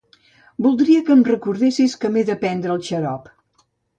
Voldria que em recordessis que m'he de prendre el xarop.